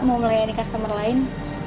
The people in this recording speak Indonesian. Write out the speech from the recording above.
mau melayani customer lain